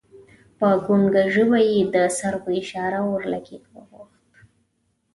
په ګنګه ژبه یې د سر په اشاره اورلګیت وغوښت.